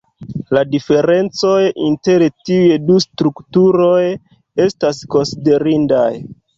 La diferencoj inter tiuj du strukturoj estas konsiderindaj.